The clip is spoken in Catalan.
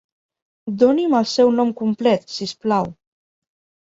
Doni'm el seu nom complet si us plau.